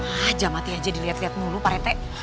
haja mati aja dilihat lihat mulu pak rete